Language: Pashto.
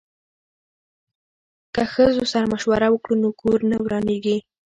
که ښځو سره مشوره وکړو نو کور نه ورانیږي.